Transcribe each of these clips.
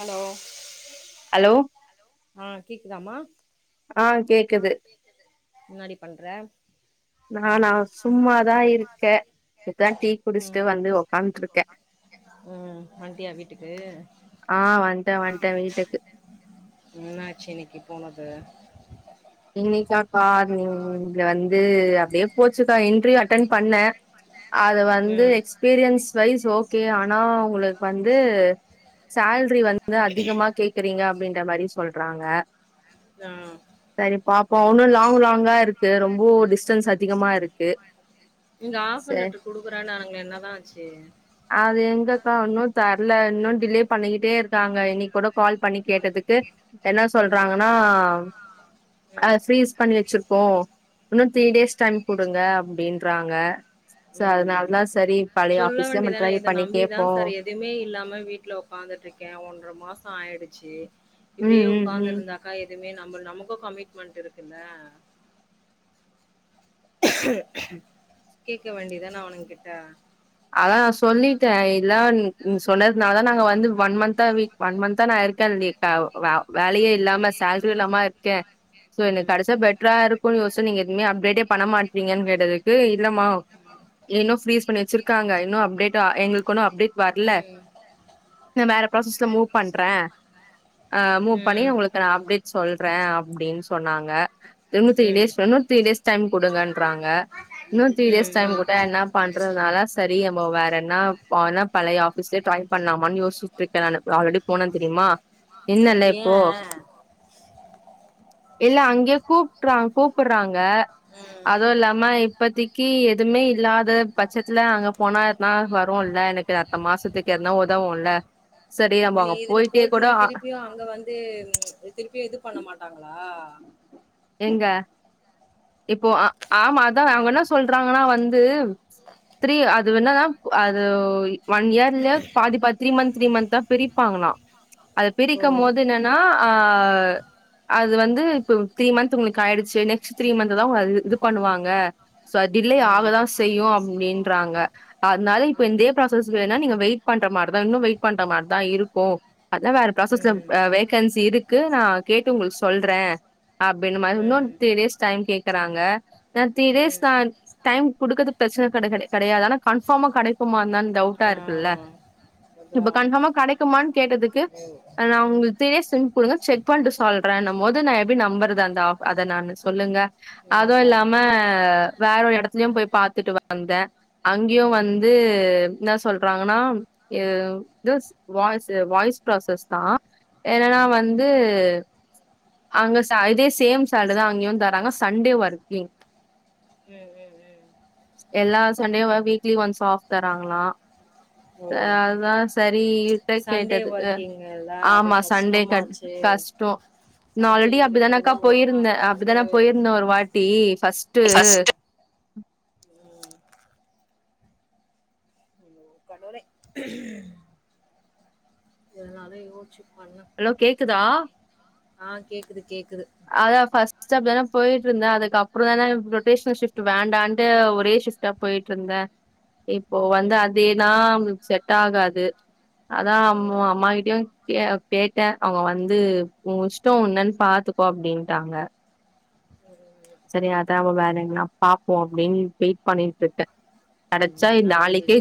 Hello hello ஆ கேக்குதாமா ஆ ஆ கேக்குது கேக்குது என்னாடி பண்ற ஆ நானா சும்மாதா நல்லா இருக்கே இப்பதா டீ இருக்கேன் சும்மாதா இருக்கேன் குடிச்சுட்டு ம் வந்து வீட்டுக்கு வந்து உக்காந்ட்ருக்கே உக்காந்து ம் வண்ட்டியா வீட்டுக்கு ஆ வன்ட்ட வன்ட்ட வீட்டுக்கு என்னாச்சி இன்னைக்கி போனது இன்னைக்காக்கா அது இங்க வந்து அப்டியே போச்சுக்கா இன்ட்ரியூ அட்டன் பண்ண அது வந்து ம் எக்ஸ் பீரியன்ஸ் வைஸ் ஓகே ஆனா ஒங்களுக்கு வந்து சேல்ரி வந்து அதிகமா கேக்குறீங்க அப்டின்ற மாரி சொல்றாங்க யா சரி பாப்போ ஒன்னு லாங் லாங்கா இருக்கு ரொம்போ டிஸ்டன்ஸ் அதிகமா இருக்கு நீங்க சே ஆஃபர் லெட்டரு குடுக்குறேன்னாங்களே என்னதா ஆச்சு அது எங்கக்கா ஒன்னு தரல இன்னு டிலே பண்ணிக்கிட்டே இருக்காங்க இன்னைக் கூட கால் பண்ணி கேட்டதுக்கு என்ன சொல்றாங்கன்னா அத ம் ஃப்ரீஸ் பண்ணி வச்சிருக்கோ இன்னு த்ரீ டேஸ் டைம் குடுங்க அப்டின்றாங்க சோ ம் அதனாலதா சரி பழைய ஆபிஸ்லே ட்ரை பண்ணி கேப்போ எதுமே இல்லாம வீட்ல ஒக்காந்துட்டு இருக்கே ஒன்ற மாசோ ஆயிடுச்சு ம் இப்டியே ம் ஒக்காந்து ம் இருந்தா அக்கா எதுமே நம்ம நமக்கூ கமிட்மெண்ட் இருக்குல்ல கேக்க வேண்டியதான அவனுங் கிட்ட அதா நா சொல்லிட்டே இல்லா சொன்னது நால நாங்க வந்து ஒன் மந்தா வீக் ஒன் மந்தா நா இருக் க்கே வ வ வேலயே இல்லாம சேல்ரியு இல்லாம இருக்கே சோ எனக் ம் கெடச்சா பெட்ரா இருக் ஸ்கூல் நியூஸ நீங்க எதுவுமே அப்டேட்டே பண்ண மாட்ரிங்கன்னு கேட்டதுக்கு இல்லமா இன்னு ப்ரீஸ் பண்ணி வச்சிருக்காங்க ங்க இன்னு அப்டேட்டா எங்களுக்கு ஒன்னு அப்டேட் வர்ல ம் இன்னு வேற ப்ராசஸ்ல மூவ் பண்றே ஆ மூவ் பண்ணி ம் உங்களுக்கு நா அப்டேட் சொல்றே அப்டின்னு சொன்னாங்க இன்னு த்ரி ம் டேஸ் இன்னு த்ரீ டேஸ் டைம் கொடுங்கன்றாங்க இன்னு த்ரீ டேஸ் ம் டைம் ம் கூட என்ன பண்றதுனால சரி இங்கயே போ வேற என்ன ஆனா பழய ஆபீஸ்லே ட்ரை பண்ணாமான்னு யோசிச்சட்டு இருக்கே ஆல்ரெடி போனே தெரியுமா இன்னல்லே ஏ இப்போ இல்ல அங்கே கூப்ட்றா கூப்பிடுறாங்க ம் அதுவு இல்லாம இப்பதைக்கு எதுமே இல்லாத பட்சத்துல அங்க போனா எதுனா வரு இல்ல எனக்கு அடுத்த மாசத்துக்கு எதுனா உதவுமில்ல சரி அப்போ அங்க போயிட்டே கூட ஆ இங்கெல்லா அங்க வந்து திருப்பியு இது பண்ண மாட்டாங்களா எங்க இப்போ அ ஆமா அதா அவங்க என்ன சொல்றாங்கன்னா வந்து த்ரீ அது என்னதா அது ஒன் இயர்ல பாதி பா த்ரீ மந்த் த்ரீ மந்தா பிரிப்பாங்களா அத ஓ பிரிக்கம் போது நன் நா அ அது வந்து இப்ப த்ரீ மந்த்த் உங்ளுக்கு ஆயிடுச்சு நெக்ஸ்ட் த்ரி மந்த் தா உங்க இது பண்ணுவாங்க சோ அ டிலே ம் ஆகதா செய்யு அப்டின்றாங்க அதனால இப்ப ம் இந்தே ப்ராசஸ் வேன்னா நீங்க வெயிட் பண்ற மாரி தா இன்னு வெயிட் பண்ற மாரி தா இருக்கு அதெல்லா வேற ப்ராசஸ்ல அ வெ வேக்கன்சி இருக்கு நா கேட்டு உங்களுக்கு சொல்றே அப்டின்னு மாரி இன்னொர் ம் த்ரி டேஸ் டைம் கேக்குறாங்க நா த்ரீ ம் டேஸ்ன் நா ம் டைம் கொடுக்கது பிரச்சன கட கட கெடயாது ஆனா கன்ஃபார்மா கெடைக்குமாந்தான்னு டவுட்டா ஆ இருக்குல்ல இப்ப அதான் கன்ஃபார்மா கெடைக்குமான்னு கேட்டதுக்கு ம் நா உங்க த்ரீடே சிம் கொடுங்க செக் பண்ணிட்டு சொல்றேன்னம் போது நா எப் டி நம்பறது அந்த ஆ அத நானு சொல்லுங்க ம் அதுவு தான் இல்லாம வேற ஒரு எடத்துலயு போய் பாத்துட்டு வந்தே அங்கயு ம் வந்து என்னா சொல்றாங்கன்னா எ து வாய்ஸு வாய்ஸ் ப்ராசஸ் தா ம் என்னன்னா ம் வந்து அங்க ச இதே சேம் சேலரி தா அங்கேயு தர்றாங்க சண்டே ஒர்க்கிங் ம் ம் ம் எல்லா சண்டே வா வீக்லி ஒன்ஸ் ஆஃப் தராங்களா ஓ அதா சரிட்ட இவர்ட்ட சண்டே கேட்டது அ ஒர்க்கிங்கல்ல அது ஆமா சண்டே க கஷ்டமாச்சே கஷ் டோ நா சண்டே ஆல்ரெடி அப்டிதானாக்கா இருக்கிறதே ஒரு போயிருந்த நாள் அப்டிதானா சண்டேவே போயிருந்த எப்டி ஒரு பண்றது வாட்டி ஃபர்ஸ்ட்டு ம் அய்யோ கடவுளே எதுனாலு யோசிச்சு பண்ணு ஹலோ கேக்குதா ஆ கேக்குது கேக்குது அதா ஃபர்ஸ்ட்டு அப்டிதா போயிட் இருந்த அதுக்கப்றோ தா ரொட்டேஷனல் ஷிஃப்ட் வேண்டான்ட்டு ஒரேஷிஃப்ட் போயிட்டுருந்தே இப்போ வந்து ம் அதேதா அவுங்ளுக் செட் ஆகாது அதா அம் ம் அம்மா கிட்டயு கேட்ட அவுங்க வந்து உ இஷ்டோ என்னன்னு பாத்து கோ அப்டின்ட்டாங்க சரி அதா அவ வேலனு பாப்போ அப்டின்னு வெயிட் பண்ணிட்டு இருக்க முன்னாடி இது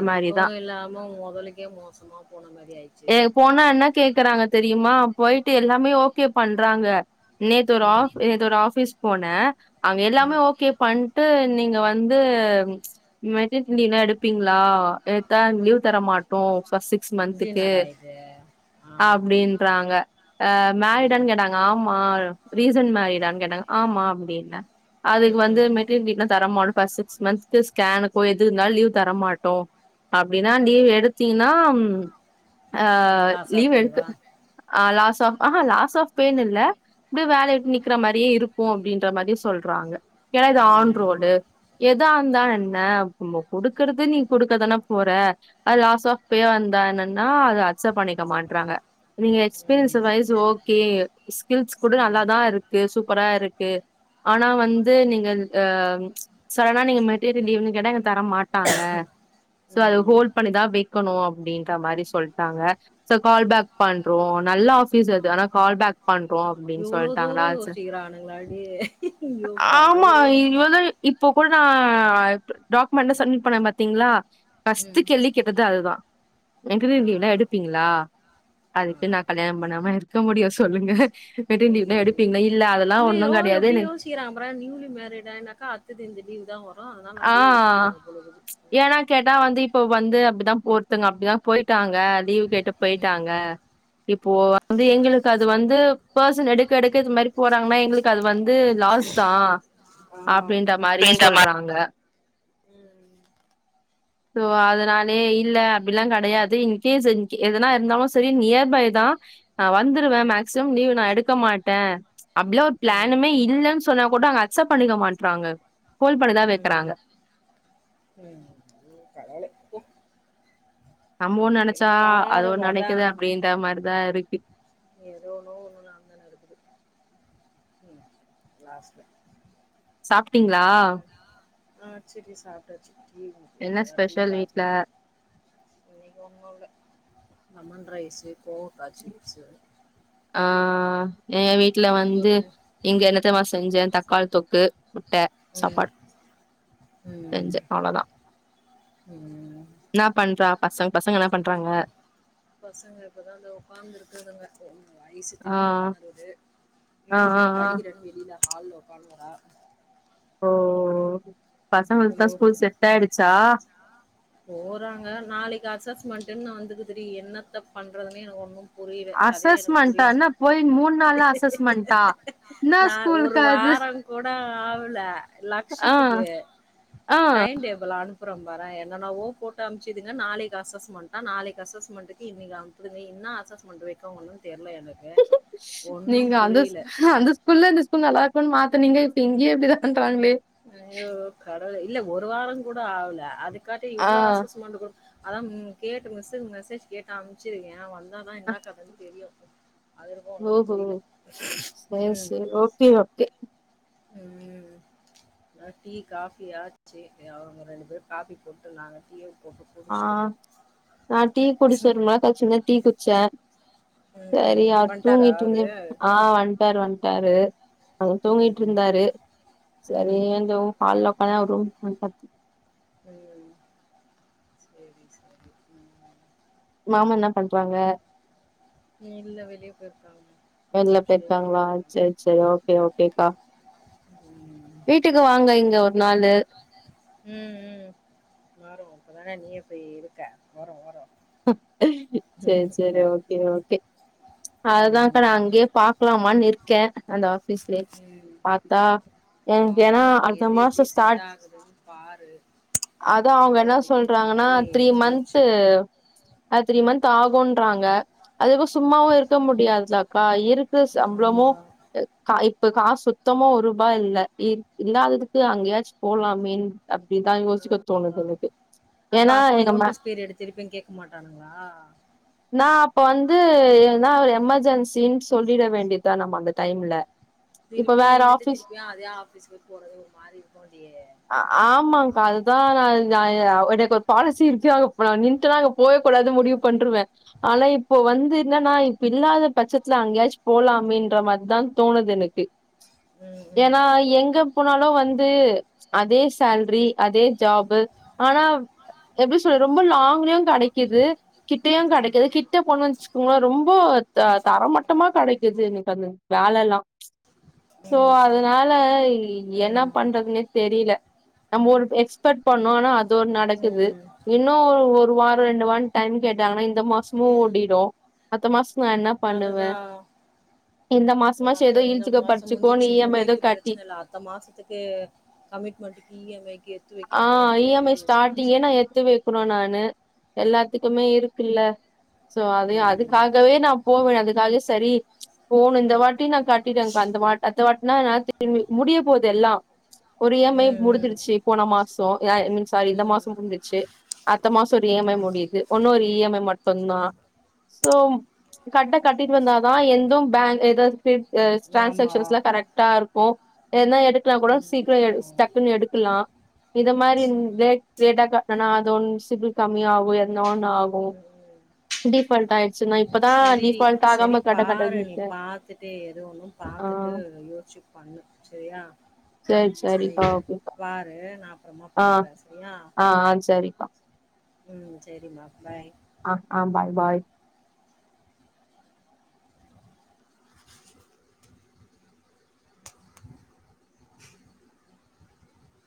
இதுக்கு மாரிதா இல்லாம மொதலுக்கே மோசமா போன மாரியாய் போனா என்ன கேக்குறாங்க தெரியுமா போயிட்டு எல்லாமே ஓகே பண்றாங்க நேத்து ஒரு ஆ ம் நேத்த ஒரு ஆஃபீஸ் போன அங்க எல்லாமே ம் ஓகே பண் ண்டு நீங்க வந்து [unintelligible] எடுப் இருப்பிங்லா கேட்டா லீவ் தர மாட்டோ சிக்ஸ் இது மன்த்க்கு என்னடா இது ஆ அப்டின்றாங்க ம் மேரிடானு கேட்டாங்க ஆமா ரீசன்ட் மேரிடான்னு கேட்டாங்க ஆமா அப்டின்ன அதுக்கு ம் ம் வந்து மெட்டிர்னிட்லா தர மாட்டோ ஃபர்ஸ்ட்டு சிக்ஸ் மந்த்கு ஸ்கேனுக்கோ எது இருநாதிவ தரமாட்டோ அப்டின்டு நீ எடுத்தீங்கன்னா அ ம் லாஸா லீவ் எடுக்கு போயவா ஆ லாஸ் ஆஃப் ஆ லாஸ் ஆஃப் பே னு இல்ல இப்டே வேலைய விட்டு நிக்கிற மாரியே இரு க்கு அப்டின்ற மாரி சொல்றாங்க ஏன்னா இது ம் ஆன் ம் ரோடு எதா இருந்தா என்ன நம்ப குடுக்குறது நீ குடுக்கதான போற அது லாஸாஃப் இப்பயே வந்தா என்னன்னா அது அக்சப்ட் பண்ணிக்க மாட்றாங்க நீங்க எக்ஸ்பீரியன்ஸ் ம் வைஸ் ஓகே ஸ்கில்ஸ் கூட நல்லாதா இருக்கு சூப்பரா இருக்கு ஆனா வந்து நீங்க அ சடனா நீங்க மெட்டீரியல் லீவுனு கேட்டா இங்க தர மாட்டாங்க சோ அது ம் ஹோல் பண்ணிதா வெ க்கணு அப்டின்ற மாரி சொல்ட்டாங்க சோ கால் பேக் பண்றோ நல்ல ஆஃபீஸ் அது ம் ஆனா கால் பேக் பண்றோ அப்டின்னு இவ்ளோ தூரோ சொல்ட்டாங்களா ச யோசிக்கிறானுங்களாடி ஐயோ ஆமா கடவுளே இவளு இப்போ கூட நா டாக்குமெண்ட் சமிட் பண்ண பாத்தீங்களா ஃபஸ்ட்டு ம் கேளி கேட்டது அதுதா இன்டர் ஆ லீவுல்லா எடுப்பீங்களா ஆ அதுக்கு நா கல்யாணம் பண்ணாம இருக் இருக்க முடியு சொல்லுங்க மெட்டர்டலீவ்ல்லா ஐயோ எடுப்பீங்களா இல்ல அதெல்லா ஒன்னு இல்லையோ கடையாது நீங் [unintelligible] நியூலி மேரிடானாக்கத்து இந்த லீவ் தா வரு அதனால ஆ அப்டியே யோச்சிக்காங்க போலக்குது ஏன்னா கேட்டா வந்து இப்போ வந்து அப்டிதா போத்துங்க அப்டிதா போய்ட்டாங்க லீவ் கேட்டு போயிட்டாங்க இப்போ வந்து எங்களுக்கு அது வந்து பர்சன் எடுக்க எடுக்க இது மாதிரி போறாங்கன்னா எங்களுக்கு அது வந்து லாஸ் தா அப்டின்ற ஆ மாரியு இந்த மா சொல்றாங்க ம் சோ ம் அதனானே இல்ல அப்டி எல்லா கிடையாது இன்கேஸ் எதனா இருந்தாலு சேரி நியர் பை தா நா வந்துருவ மேக்சிமம் லீவ் நா எடுக்க மாட்ட அப்டீலா ஒரு ம் பிளான்னுமே இல்லன்னு சொன்னா கூட அங்க அக்சப்ட் பண்ணிக்க மாட்றாங்க கோல்பன்னதா ம் ம் நீ கடைல இருக்கியா நம்மோ ஒன்னு நெனச்சா பாரு அதுவொன்னு அதா நடக்குது அப்டீன்ற மாரிதா இருக்கு ஏதோ ஒன்னோ ஒன்னுனா தானே நடக்குது ம் லாஸ்ட்ல சாப்ட்டீங்களா ஆ சேரி சாப்ட்டாச்சு ம் என்ன இப்பதா டீ ஸ்பெஷல் காபி வீட்ல இன்னக்கி ஒன்னோ இல்ல லெமன் ரைஸு கோவக்கா சிப்ஸு ஆ எங்க வீட்ல வந்து ஒன்னு இங்க என்னத்தமா செஞ்சே தக்காளி தொக்கு முட்ட ம் சாப்பாடு ம் செஞ்சே ம் இன்ன பண்றா பசங்க பசங்க என்ன பண்றாங்க பசங்க இப்பதா வந்து ஒக்காந்து இருக்குதுங்க ஒன்னு ஐசு ஆ தின்னுனு ஒக்காத்துனு இறுக்குது ஆ ஆ இன்னோனு ஆ படிக்கிறனு வெளில ஹால்ல ஒக்காந்துனுக்குறா ஓ பசங்களுக்குலா ஸ்கூல் கொஞ்சோ செட்டாயிடுச்சா போறாங்க நாளைக்கி அசஸ்மெண்ட்ன்னு வந்துக்குதுடீ என்னத்த பண்றதுனே எனக்கு ஒண்ணு புரியுலே அதே எனக்கு புரியுல அசஸ்மெண்டானா போய் மூணு நாள்ல அசஸ்மெண்டா என்னா நா ஒரு ஸ்கூலுக்கா அது வாரோங் கூட ஆவல ஆ லக்ஷித்துக்கு ஆ டைம் டேபுளு அனு ப்புற பாற என்னன்னவோ போட்டு அம்ச்சதுங்க நாளைக்கு அஸ்மெண்டா நாளைக்கு அஸ்மெண்டக்கு இன்னிக்கி அனுப்புதுங்க இன்னா அசஸ்மெண்ட்டு வெய்க்கோங்கன்னு ஒன்னு தெர்ல எனக்கு நீங்க ஒண்ணும் அந்த புரியல. அந்த ஸ்கூல்ல இந்த ஸ்கூல் நல்லாக்குன்னு மாத்தனீங்க இப்ப இங்கயே இப்டிதா பன்றாங்களே அய்யோ கடவுளே இல்ல ஒரு வாரோ கூட ஆவல அதுக்காட்டி ஆ இவ்ளோ அசஸ்சஸ்மண்டு குடுத் அதா ம் கேட்டு மெசேஜ் மெசேஜ் கேட்டு அம்ச்சி வெய்ங்க வ அதானா இன்னா கதன்னு தெரியாது அவருக்கு ஒன்னு ஓஹோ புரியுல ம் சேரி ம் சேரி ஓகே ம் ம் தா டீ காஃபியாச்சு அவங்க ரெண்டு பேர் காபி போட்டு நாங்க டீய போட்டு ஆ குடிச்சுட்டு நா டீ குடிச்ச ரொம்ப நாள் கழிச்சி நா டீ குச்ச ம், சேரி ம். அது வந்ட்டாரா தூங்கிட்டுந்து அவரு? ஆ எச் ஆர் வன்ட்டாரு அவரு ம், ம். தூங்கிட்ருந்தாரு சேரி ம். ஏந்தோ ஹால்ல ஒக்காந்தா அவரு ரூம்க்கு வன்ட்டா ம் சேரி சேரி மாமா இன்னா பண்றாங்க நீ இல்ல வெளியே போயிருக்காக வெள்ல போய்ர்க்காங்களா சேரி சேரி ஓகே ஓகேக்கா வீட்டுக்கு வாங்க இங்க ஒரு நாளு ம் ம் வரும் இப்பதானே நீயே போய் இருக்க வரு வரு சேரி சேரி ம் ஓகே ஓகே ம் அதுதாக்கா அங்கயே பா க்கலாமான்னு இருக்கே அந்த ஆபீஸ்லயே ம் பாத்தா பாரு எனக்கேன்னா உனக்கு அடுத்த எது மாசோ எப்டி செட் ஸ்டார்ட் ஆகுதுன்னு பாரு அதா அவங்க பாத்து இன்னா அதுக்கேத்த சொல்றாங்கன்னா மாரி த்ரீ மந்த்து யோச்சு அது த்ரீ மந்த் ஆகோன்றாங்க அதுக்கு சும்மாவு இருக்க முடியாதுலக்கா இரு து சம்பளம்பமு ஆமா கா இப்ப காசு சுத்தம ஒரு ரூபாய் இல்ல இல்லாததுக்கு அங்கயாச்சு போலாமே அப்டித்தா ஆ யோசிக்க அதா தோணுது எனக்கு ஏனா எங்க மனை திருப்பி கேட்க மாட்டானுங்களா நா அப்ப வந்து ஏனா ஒரு எமர்ஜென்சின்னு சொல்லிட வேண்டியதா நம்ம அந்த டைம்ல இப்ப திருப்பியு வேற நின்னுட்டு ஆஃபீஸ் திருப்பியு அதே ஆபீஸுக்கு போறது ஒரு மாதிரி இருக்கு ஆமாக்கா அதுதா நா [unintelligible] எனக்கு ஒரு பாலிஸி இருக்கு [unintelligible] [unintelligible] போவே கூடாது முடிவு பண்டுருவே ஆனா இப்போ வந்து என்னன்னா இப்ப இல்லாத பட்சத்துல அங்கயாச்சு போலாமென்ற மாதிரிதா தோணுது எனக்கு [unintelligible] ம் ஏனா ம் எங்க போனாலு வந்து அதே சேல்ரி அதே ஜாப்பு ஆனா எப்டி சொல்ற ரொம்ப லாங் லயு கிடைக்குது, கிட்டையு கிடைக்குது ஆமா கிட்ட போனோன்னு வச்சு உங்க ரொம்ப த தரமட்டமா கிடைக்குது எனக்கு அந்த வேலெல்லா சோ அதனால என்ன ம் பண்றதுன்னே தெரியல நம்ம ஒரு எக்ஸ்பக்ட் பண்ணோம்னா அது ஒன்னு நடக்குது ம் ம் இன்னு ஒரு வார ரெண்டு வார டைம் கேட்டாங்கன்னா இந்த மாசமும் ஓடிடும் அடுத்த மாசம் என்ன பண்ணுவே அதுதான் இந்த ம் மாசமாச்சு ஏதோ அக்கா இந்த இழச்சுக்கோ பறிச்சுக்கோன்னு இ எம் ஐ ஏதோ கட்டி ந்த மாசத்துக்கு கமிட்மெண்டுக்கு இ எம் ஐக்கு ஆ இ எம் ஐ ஸ்டார்டிங்கே நா எடுத்து போய் அப்பற நானு எல்லாத்துக்குமே இருக்குல்ல சோ அது ம் அதுக்காகவே நா போவே அதுக்காவே சரி போணு இந்த வாட் ட்டி நா காட்டிடுவே அந்த அடுத்த வாட்டி ந ஞாயித் முடிய போது எல்லா ஒரு இ எம் ஐ ம் முடிஞ்சுருச்சு போன மாசம் சாரி இந்த ம் மாசம் முடிஞ்சுருச்சு அடுத்த மாசம் ஒரு இ எம் ஐ முடியுது ஒன்னொரு இ ம் ம் எம் ஐ மட்டுதா ஸோ கரக்ட்ட கட்டிட்டு வந்தாதா எந்து பேங்க் ஏதாது பே ஆமா ட்ரான்சாக்க்ஷன்ஸ் எல்லா கரெக்டா இருக்கு எனா எடுக்கனா கூட ம் சீக்கிர ஆமா டக்குனு எடு க்கலா இத மாறி சரி இந்தெ கேட்டாகா ஏன அது ஒண் ஸ்புக்கு கம்மி ஆகு என ஒன்னு ஆகு ம் டிஃபால்ட் ஆயிடுச்சுன்னா ம் இப்பதா செரி டிஃபால்ட் செரி ஆகாம கட பாரு நீ கடந்திருக்கே பாத்துட்டு எது ஒண்ணு ஆ பாத்துட்டு யோச்சு பண்ணு சரியா சரி சேரி சரிக்கா ஓகேக்கா பாரு நா அப்பறமா ஆ பண்றே சேரியா ஆ சேரிக்கா ம் சேரிம்மா பாய் ஆ ஆ பாய் பாய்